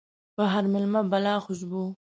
په هر ميلمه بلا خوشبو